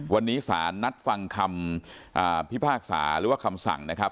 วันนี้สารนัดฟังคำพิพากษาหรือว่าคำสั่งนะครับ